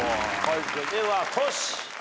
ではトシ。